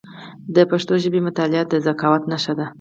د پښتو ژبي مطالعه د ذکاوت نښه ده.